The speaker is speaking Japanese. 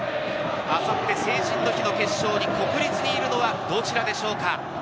明後日・成人の日の決勝に国立にいるのはどちらでしょうか。